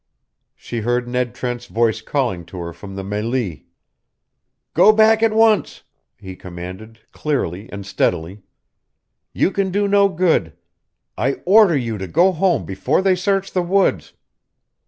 She heard Ned Trent's voice calling to her from the mêlée. "Go back at once!" he commanded, clearly and steadily. "You can do no good. I order you to go home before they search the woods."